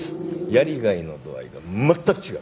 やりがいの度合いが全く違う。